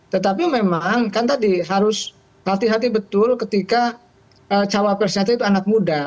tetapi memang kan tadi harus hati hati betul ketika cawapresnya itu anak muda